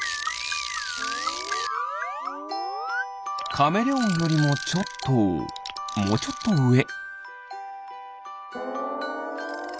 カメレオンよりもちょっともうちょっとうえ。